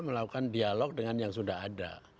melakukan dialog dengan yang sudah ada